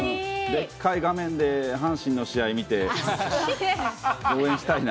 でっかい画面で阪神の試合見て応援したいな。